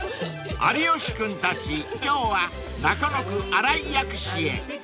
［有吉君たち今日は中野区新井薬師へ］